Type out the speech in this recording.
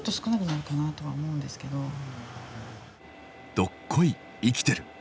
どっこい生きてる。